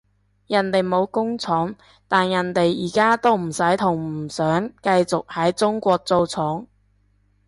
人哋冇工廠，但人哋而家都唔使同唔想繼續喺中國做廠